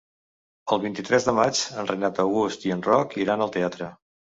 El vint-i-tres de maig en Renat August i en Roc iran al teatre.